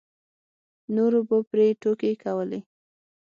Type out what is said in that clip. نورو به پرې ټوکې کولې.